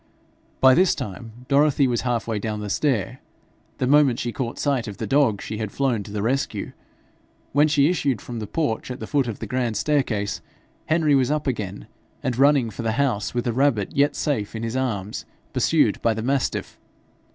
By this time Dorothy was half way down the stair: the moment she caught sight of the dog she had flown to the rescue. When she issued from the porch at the foot of the grand staircase, Henry was up again, and running for the house with the rabbit yet safe in his arms, pursued by the mastiff.